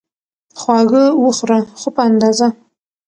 خواږه وخوره، خو په اندازه